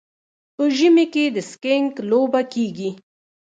په ژمي کې د سکیینګ لوبه کیږي.